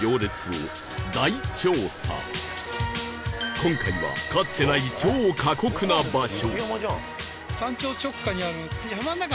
今回はかつてない超過酷な場所